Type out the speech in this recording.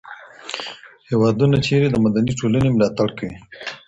هیوادونه چیري د مدني ټولني ملاتړ کوي؟